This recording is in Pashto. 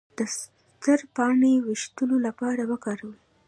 د سدر پاڼې د ویښتو لپاره وکاروئ